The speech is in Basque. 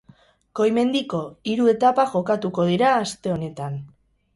Goi mendiko hiru etapa jokatuko dira aste honetan.